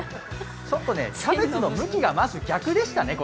キャベツの向きがまず逆でしたね。